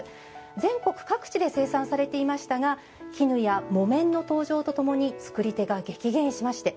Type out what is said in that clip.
全国各地で生産されていましたが絹や木綿の登場とともに作り手が激減しまして